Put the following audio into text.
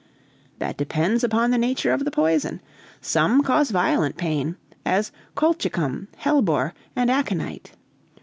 "That depends upon the nature of the poison. Some cause violent pain, as colchicum, hellebore, and aconite.